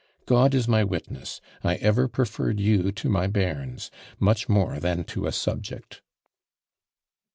God is my witness, I ever preferred you to my bairns, much more than to a subject."